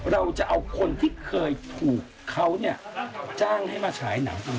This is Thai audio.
เราจะเอาคนที่เคยถูกเขาจ้างให้มาฉายหนังตัวเนี่ย